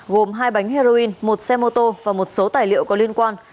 gồm hai bánh heroin một xe mô tô và một số tài liệu có liên quan